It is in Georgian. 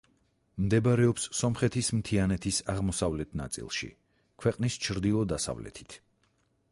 მდებარეობს სომხეთის მთიანეთის აღმოსავლეთ ნაწილში, ქვეყნის ჩრდილო-დასავლეთით.